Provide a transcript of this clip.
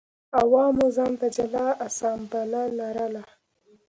عوامو ځان ته جلا اسامبله لرله.